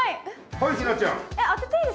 はいひなちゃん。